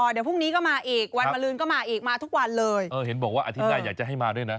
เดี๋ยวพรุ่งนี้ก็มาอีกวันมาลืนก็มาอีกมาทุกวันเลยเออเห็นบอกว่าอาทิตย์หน้าอยากจะให้มาด้วยนะ